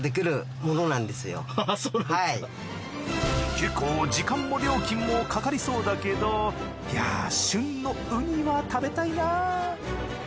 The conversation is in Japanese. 結構時間も料金もかかりそうだけどやぁ旬のウニは食べたいな。